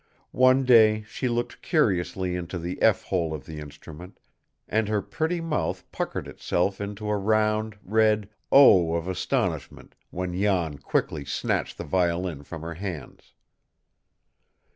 One day she looked curiously into the F hole of the instrument, and her pretty mouth puckered itself into a round, red "O" of astonishment when Jan quickly snatched the violin from her hands.